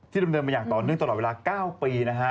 ที่เริ่มเดินมาอย่างต่อเนื่องตลอดเวลา๙ปีนะฮะ